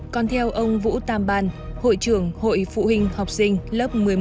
còn theo ông vũ tam ban hội trưởng hội phụ huynh học sinh lớp một mươi một a một mươi